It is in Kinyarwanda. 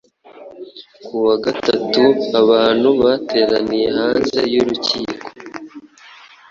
Ku wa gatatu, abantu bateraniye hanze yurukiko